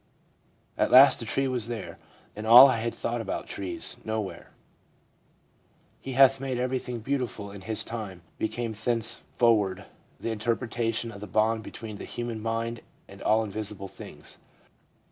At last the tree was there, and all I had thought about trees, nowhere. " He hath made everything beautiful in His time" became thenceforward the interpretation of the bond between the human mind and all visible things.'